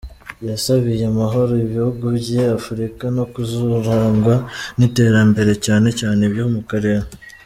Yasabiye amahoro ibihugu bya Afurika no kuzarangwa n’iterambere cyane cyane ibyo mu Karere.